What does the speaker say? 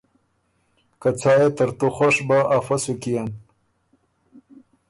که څا يې ترتُو خوش بۀ افۀ سو کيېن۔